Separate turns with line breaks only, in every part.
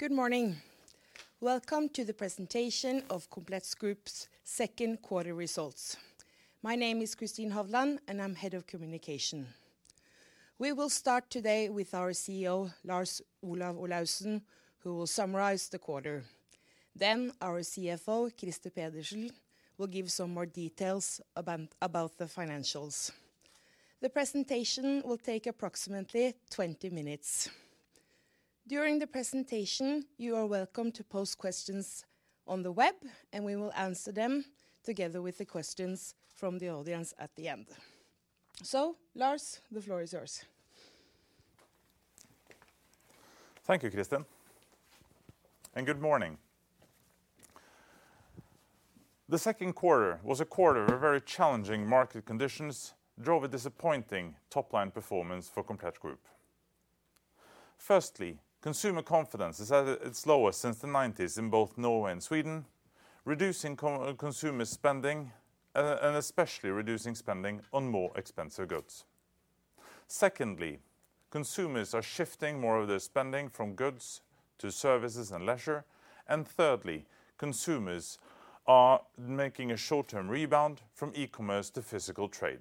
Good morning. Welcome to the presentation of Komplett Group's second quarter results. My name is Kristin Hovland, and I'm Head of Communication. We will start today with our CEO, Lars Olav Olaussen, who will summarize the quarter. Then our CFO, Krister Pedersen, will give some more details about the financials. The presentation will take approximately 20 minutes. During the presentation, you are welcome to pose questions on the web, and we will answer them together with the questions from the audience at the end. Lars, the floor is yours.
Thank you, Kristin. Good morning. The second quarter was a quarter of very challenging market conditions drove a disappointing top-line performance for Komplett Group. Firstly, consumer confidence is at its lowest since the 1990s in both Norway and Sweden, reducing consumer spending, and especially reducing spending on more expensive goods. Secondly, consumers are shifting more of their spending from goods to services and leisure. Thirdly, consumers are making a short-term rebound from e-commerce to physical trade.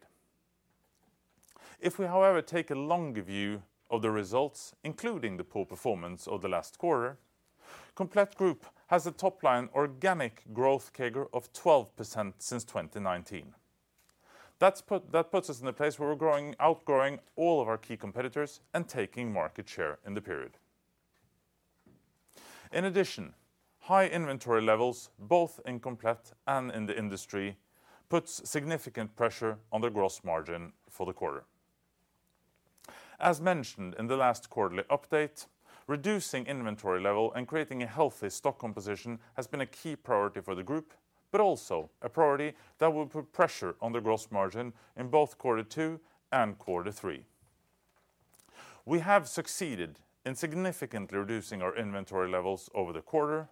If we, however, take a longer view of the results, including the poor performance of the last quarter, Komplett Group has a top-line organic growth CAGR of 12% since 2019. That puts us in a place where we're outgrowing all of our key competitors and taking market share in the period. In addition, high inventory levels, both in Komplett and in the industry, puts significant pressure on the gross margin for the quarter. As mentioned in the last quarterly update, reducing inventory level and creating a healthy stock composition has been a key priority for the group, but also a priority that will put pressure on the gross margin in both quarter two and quarter three. We have succeeded in significantly reducing our inventory levels over the quarter,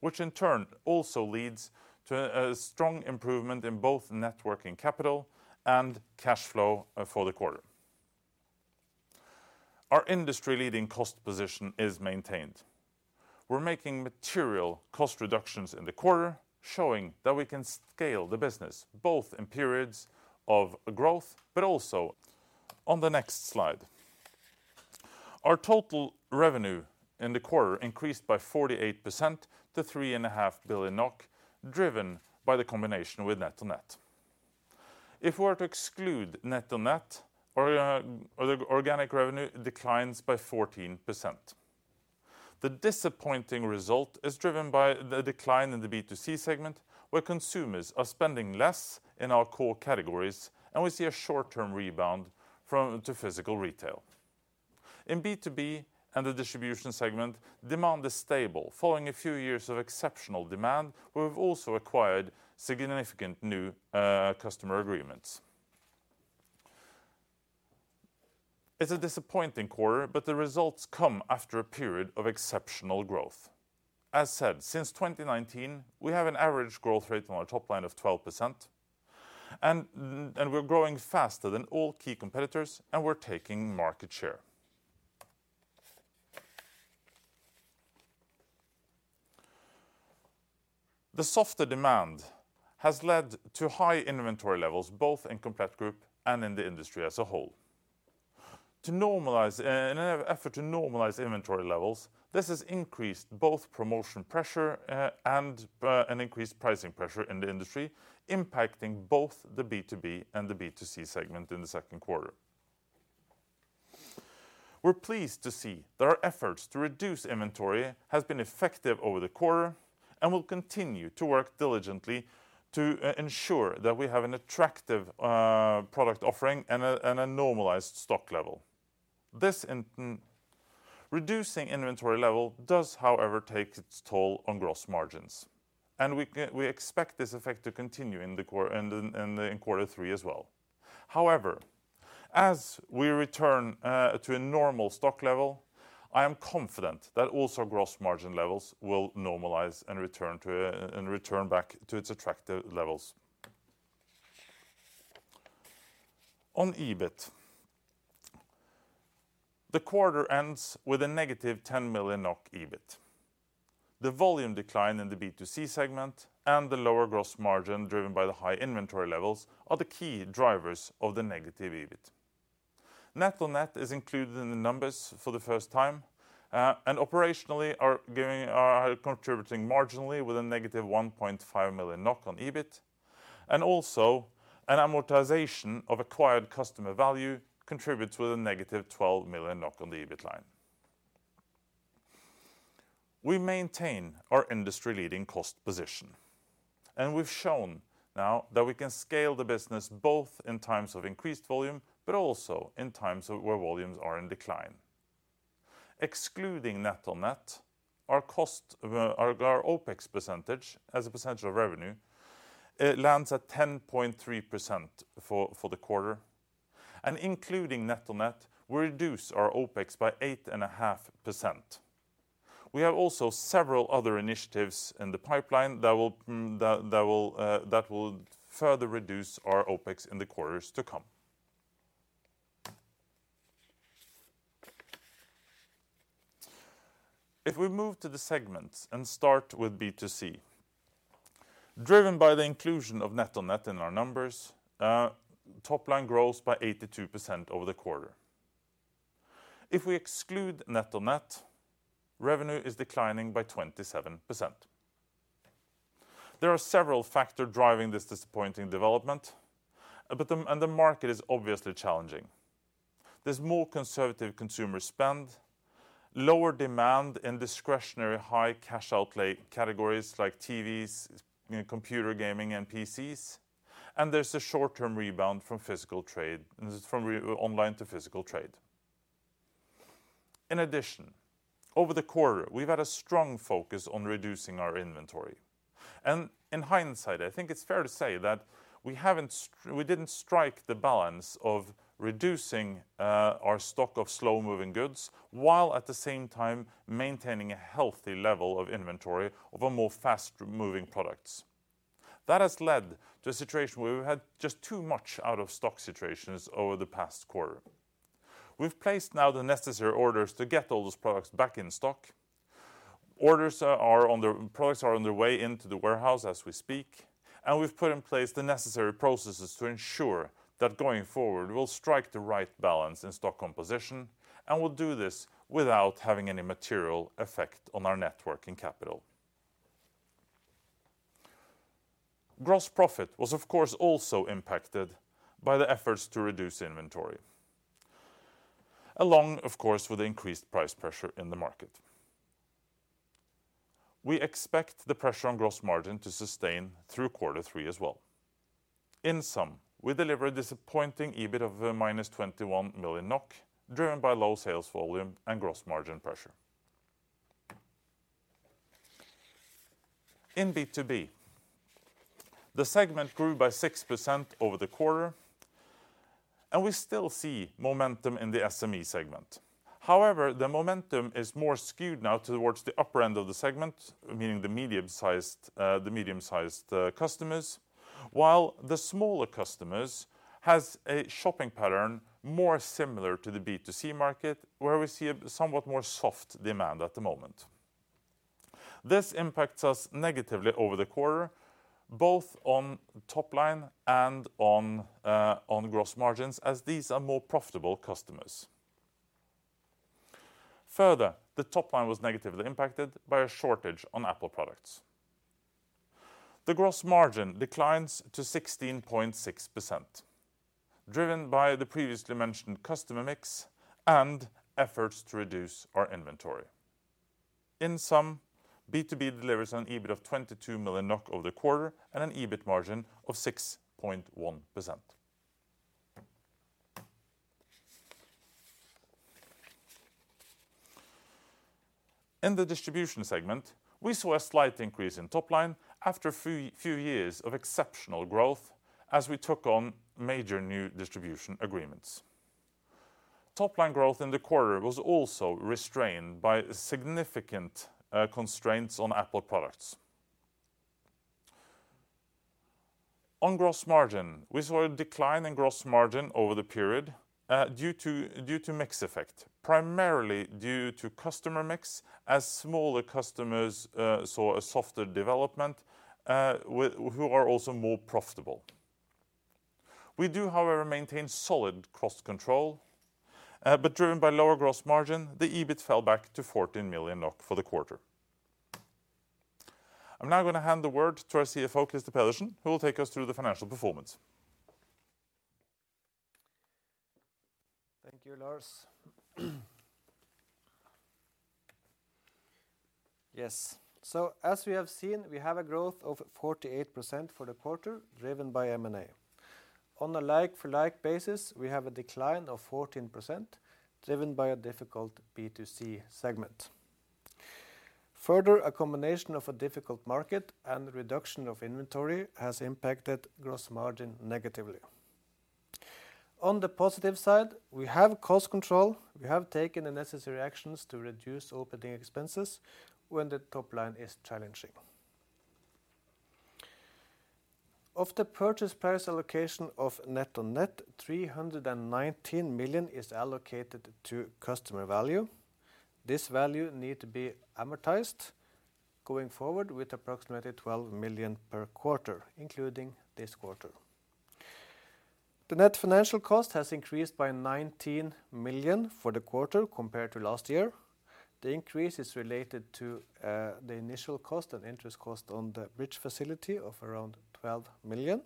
which in turn also leads to a strong improvement in both net working capital and cash flow for the quarter. Our industry-leading cost position is maintained. We're making material cost reductions in the quarter, showing that we can scale the business, both in periods of growth but also on the next slide. Our total revenue in the quarter increased by 48% to 3.5 Billion NOK, driven by the combination with NetOnNet. If we were to exclude NetOnNet, the organic revenue declines by 14%. The disappointing result is driven by the decline in the B2C segment, where consumers are spending less in our core categories, and we see a short-term rebound to physical retail. In B2B and the distribution segment, demand is stable. Following a few years of exceptional demand, we have also acquired significant new customer agreements. It's a disappointing quarter, but the results come after a period of exceptional growth. As said, since 2019, we have an average growth rate on our top line of 12% and we're growing faster than all key competitors, and we're taking market share. The softer demand has led to high inventory levels, both in Komplett Group and in the industry as a whole. In an effort to normalize inventory levels, this has increased both promotion pressure and an increased pricing pressure in the industry, impacting both the B2B and the B2C segment in the second quarter. We're pleased to see that our efforts to reduce inventory has been effective over the quarter and will continue to work diligently to ensure that we have an attractive product offering and a normalized stock level. Reducing inventory level does, however, take its toll on gross margins, and we expect this effect to continue in quarter three as well. However, as we return to a normal stock level, I am confident that also gross margin levels will normalize and return back to its attractive levels. On EBIT. The quarter ends with a -10 million NOK EBIT. The volume decline in the B2C segment and the lower gross margin driven by the high inventory levels are the key drivers of the negative EBIT. NetOnNet is included in the numbers for the first time, and operationally are contributing marginally with a -1.5 million NOK on EBIT, and also an amortization of acquired customer value contributes with a -12 million NOK on the EBIT line. We maintain our industry-leading cost position, and we've shown now that we can scale the business both in times of increased volume, but also where volumes are in decline. Excluding NetOnNet, our cost, our OpEx percentage as a percentage of revenue, it lands at 10.3% for the quarter. Including NetOnNet, we reduce our OpEx by 8.5%. We have also several other initiatives in the pipeline that will further reduce our OpEx in the quarters to come. If we move to the segments and start with B2C, driven by the inclusion of NetOnNet in our numbers, top line grows by 82% over the quarter. If we exclude NetOnNet, revenue is declining by 27%. There are several factors driving this disappointing development, but the market is obviously challenging. There's more conservative consumer spend, lower demand in discretionary high cash outlay categories like TVs, you know, computer gaming, and PCs, and there's a short-term rebound from online to physical trade. In addition, over the quarter, we've had a strong focus on reducing our inventory. In hindsight, I think it's fair to say that we didn't strike the balance of reducing our stock of slow-moving goods, while at the same time maintaining a healthy level of inventory of a more fast-moving products. That has led to a situation where we had just too much out-of-stock situations over the past quarter. We've placed now the necessary orders to get all those products back in stock. Products are on their way into the warehouse as we speak, and we've put in place the necessary processes to ensure that going forward, we'll strike the right balance in stock composition, and we'll do this without having any material effect on our net working capital. Gross profit was, of course, also impacted by the efforts to reduce inventory, along, of course, with the increased price pressure in the market. We expect the pressure on gross margin to sustain through quarter three as well. In sum, we deliver a disappointing EBIT of -21 million NOK, driven by low sales volume and gross margin pressure. In B2B, the segment grew by 6% over the quarter, and we still see momentum in the SME segment. However, the momentum is more skewed now towards the upper end of the segment, meaning the medium-sized customers, while the smaller customers has a shopping pattern more similar to the B2C market, where we see a somewhat more soft demand at the moment. This impacts us negatively over the quarter, both on top line and on gross margins, as these are more profitable customers. Further, the top line was negatively impacted by a shortage on Apple products. The gross margin declines to 16.6%, driven by the previously mentioned customer mix and efforts to reduce our inventory. In sum, B2B delivers an EBIT of 22 million NOK over the quarter and an EBIT margin of 6.1%. In the distribution segment, we saw a slight increase in top line after a few years of exceptional growth as we took on major new distribution agreements. Top line growth in the quarter was also restrained by significant constraints on Apple products. On gross margin, we saw a decline in gross margin over the period due to mix effect, primarily due to customer mix as smaller customers saw a softer development who are also more profitable. We do, however, maintain solid cost control, but driven by lower gross margin, the EBIT fell back to 14 million NOK for the quarter. I'm now gonna hand the word to our CFO, Krister Pedersen, who will take us through the financial performance.
Thank you, Lars. Yes. As we have seen, we have a growth of 48% for the quarter driven by M&A. On a like-for-like basis, we have a decline of 14% driven by a difficult B2C segment. Further, a combination of a difficult market and reduction of inventory has impacted gross margin negatively. On the positive side, we have cost control. We have taken the necessary actions to reduce OpEx when the top line is challenging. Of the purchase price allocation of NetOnNet, 319 million is allocated to customer value. This value need to be amortized going forward with approximately 12 million per quarter, including this quarter. The net financial cost has increased by 19 million for the quarter compared to last year. The increase is related to, the initial cost and interest cost on the bridge facility of around 12 million,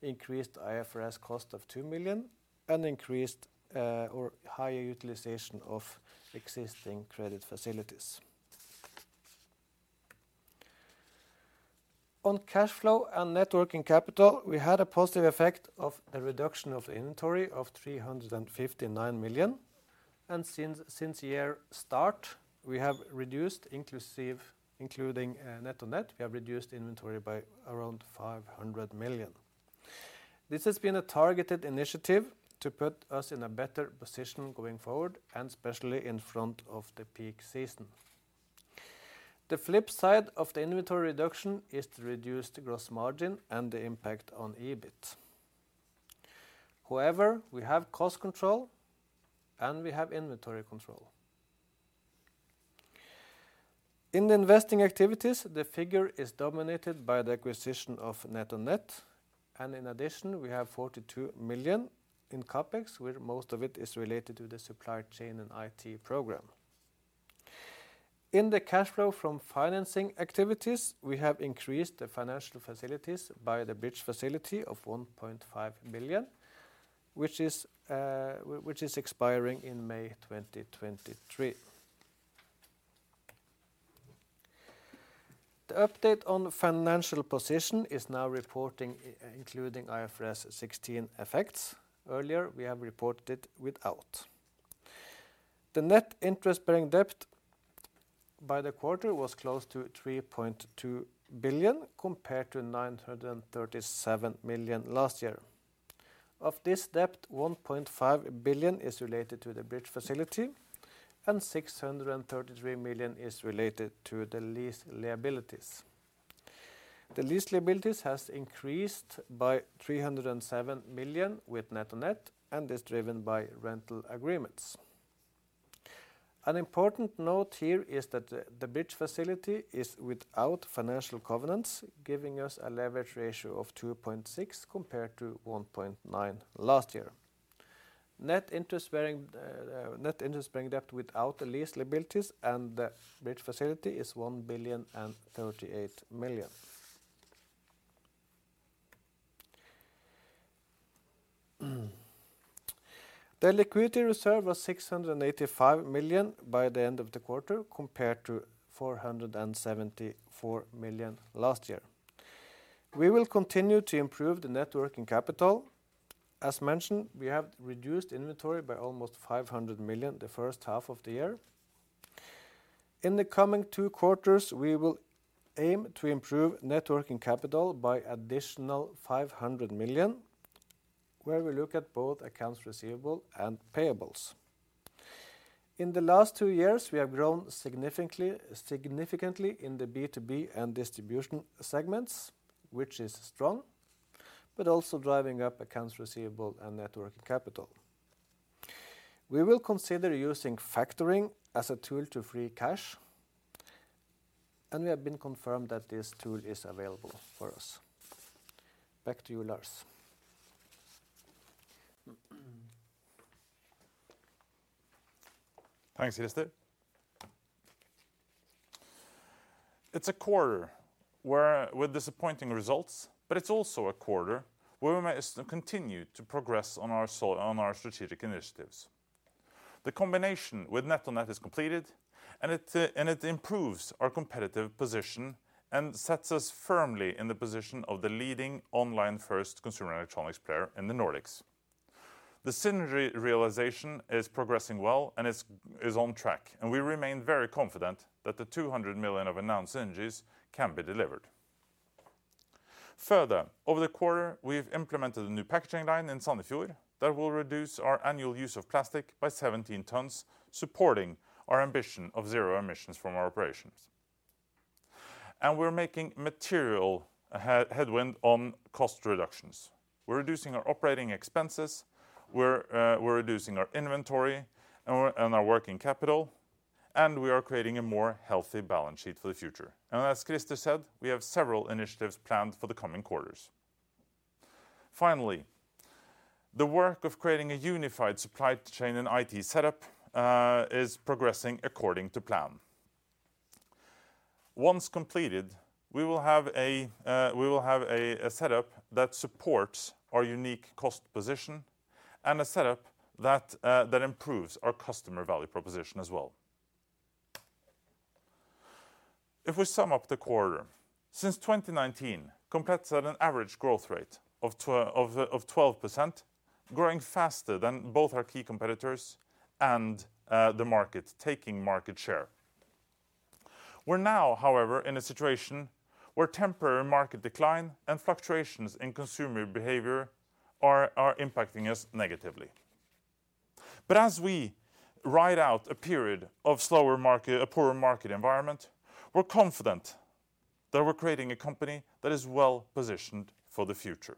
increased IFRS cost of 2 million, and increased, or higher utilization of existing credit facilities. On cash flow and net working capital, we had a positive effect of a reduction of inventory of 359 million. Since year start, we have reduced including NetOnNet, we have reduced inventory by around 500 million. This has been a targeted initiative to put us in a better position going forward and especially in front of the peak season. The flip side of the inventory reduction is to reduce the gross margin and the impact on EBIT. However, we have cost control and we have inventory control. In the investing activities, the figure is dominated by the acquisition of NetOnNet, and in addition, we have 42 million in CapEx, where most of it is related to the supply chain and IT program. In the cash flow from financing activities, we have increased the financial facilities by the bridge facility of 1.5 billion, which is expiring in May 2023. The update on the financial position is now reporting including IFRS 16 effects. Earlier, we have reported it without. The net interest-bearing debt by the quarter was close to 3.2 billion compared to 937 million last year. Of this debt, 1.5 billion is related to the bridge facility and 633 million is related to the lease liabilities. The lease liabilities has increased by 307 million with NetOnNet and is driven by rental agreements. An important note here is that the bridge facility is without financial covenants, giving us a leverage ratio of 2.6 compared to 1.9 last year. Net interest bearing debt without the lease liabilities and the bridge facility is NOK 1.038 billion. The liquidity reserve was 685 million by the end of the quarter, compared to 474 million last year. We will continue to improve the net working capital. As mentioned, we have reduced inventory by almost 500 million the first half of the year. In the coming two quarters, we will aim to improve net working capital by additional 500 million, where we look at both accounts receivable and payables. In the last two years, we have grown significantly in the B2B and distribution segments, which is strong, but also driving up accounts receivable and net working capital. We will consider using factoring as a tool to free cash, and we have confirmed that this tool is available for us. Back to you, Lars.
Thanks, Krister. It's a quarter with disappointing results, but it's also a quarter where we must continue to progress on our strategic initiatives. The combination with NetOnNet is completed, and it improves our competitive position and sets us firmly in the position of the leading online first consumer electronics player in the Nordics. The synergy realization is progressing well and is on track, and we remain very confident that the 200 million of announced synergies can be delivered. Further, over the quarter, we've implemented a new packaging line in Sandefjord that will reduce our annual use of plastic by 17 tons, supporting our ambition of zero emissions from our operations. We're making material headway on cost reductions. We're reducing our operating expenses, we're reducing our inventory and our working capital, and we are creating a more healthy balance sheet for the future. As Krister said, we have several initiatives planned for the coming quarters. Finally, the work of creating a unified supply chain and IT setup is progressing according to plan. Once completed, we will have a setup that supports our unique cost position and a setup that improves our customer value proposition as well. If we sum up the quarter, since 2019, Komplett's had an average growth rate of 12%, growing faster than both our key competitors and the market, taking market share. We're now, however, in a situation where temporary market decline and fluctuations in consumer behavior are impacting us negatively. As we ride out a period of slower market, a poorer market environment, we're confident that we're creating a company that is well-positioned for the future.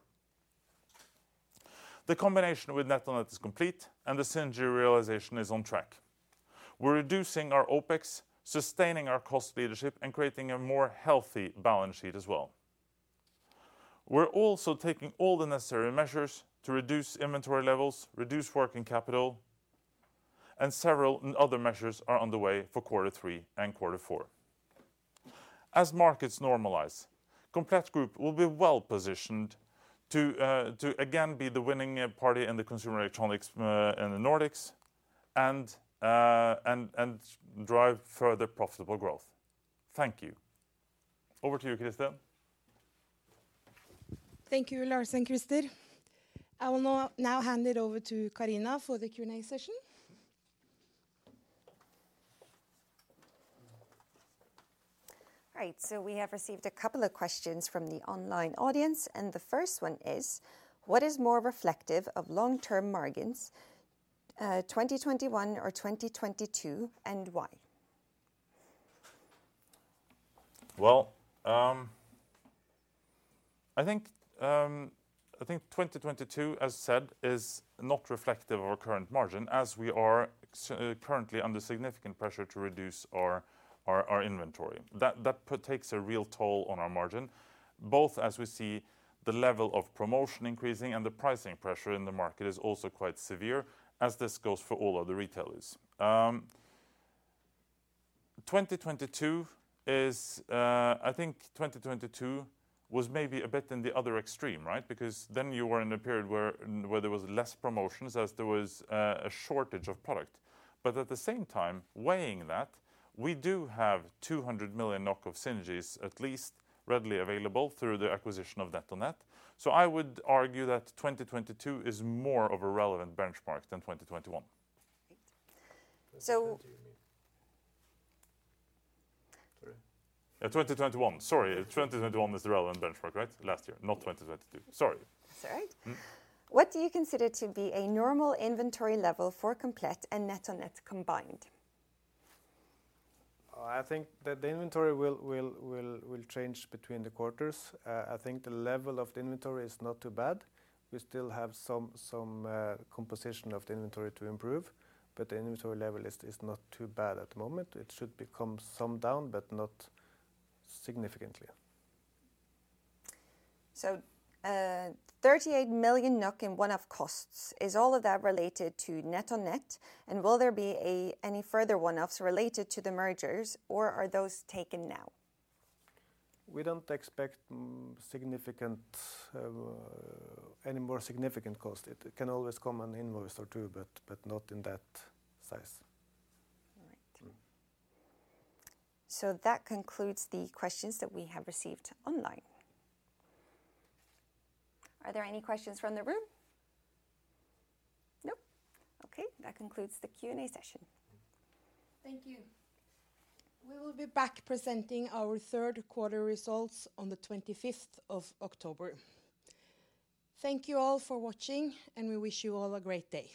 The combination with NetOnNet is complete, and the synergy realization is on track. We're reducing our OpEx, sustaining our cost leadership, and creating a more healthy balance sheet as well. We're also taking all the necessary measures to reduce inventory levels, reduce working capital, and several other measures are on the way for quarter three and quarter four. As markets normalize, Komplett Group will be well-positioned to again be the winning party in the consumer electronics in the Nordics and drive further profitable growth. Thank you. Over to you, Krister.
Thank you, Lars and Krister. I will now hand it over to Carina for the Q&A session.
Right. We have received a couple of questions from the online audience, and the first one is: What is more reflective of long-term margins 2021 or 2022, and why?
I think 2022, as said, is not reflective of our current margin as we are currently under significant pressure to reduce our inventory. That takes a real toll on our margin, both as we see the level of promotion increasing and the pricing pressure in the market is also quite severe as this goes for all other retailers. I think 2022 was maybe a bit in the other extreme, right? Because then you were in a period where there was less promotions as there was a shortage of product. At the same time, weighing that, we do have 200 million of synergies at least readily available through the acquisition of NetOnNet. I would argue that 2022 is more of a relevant benchmark than 2021.
So.
2020 you mean?
Sorry. 2021 is the relevant benchmark, right? Last year, not 2022. Sorry.
That's all right.
Mm.
What do you consider to be a normal inventory level for Komplett and NetOnNet combined?
I think that the inventory will change between the quarters. I think the level of the inventory is not too bad. We still have some composition of the inventory to improve, but the inventory level is not too bad at the moment. It should come down some, but not significantly.
38 million NOK in one-off costs, is all of that related to NetOnNet? Will there be any further one-offs related to the mergers or are those taken now?
We don't expect any more significant cost. It can always come in an invoice or two, but not in that size.
All right.
Mm.
That concludes the questions that we have received online. Are there any questions from the room? Nope. Okay, that concludes the Q&A session.
Thank you. We will be back presenting our third quarter results on the 25th of October. Thank you all for watching, and we wish you all a great day.